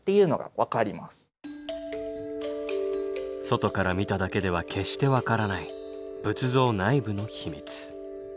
外から見ただけでは決して分からない仏像内部の秘密。